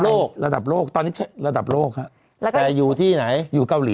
ระดับโลกตอนนี้ระดับโลกฮะแต่อยู่ที่ไหนอยู่เกาหลี